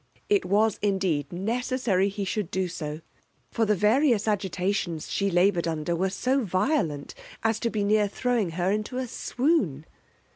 It was indeed necessary he should do so, for the various agitations she laboured under were so violent, as to be near throwing her into a swoon.